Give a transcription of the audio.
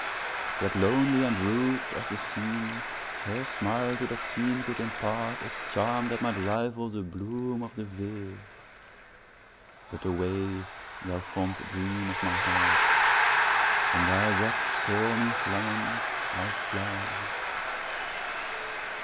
Yet lonely and rude as the scene, Her smile to that scene could impartA charm that might rival the bloom of the vale,—But away, thou fond dream of my heart! From thy rocks, stormy Llannon, I fly.